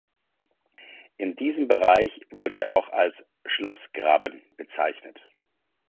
In diesem Bereich wird er auch als "Schlossgraben" bezeichnet.